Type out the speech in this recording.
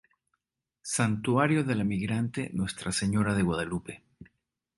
Santuario dela Migrante Nuestra Señora de Guadalupe.